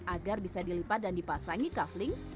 agar bisa dilipat dan dipasangi kavelings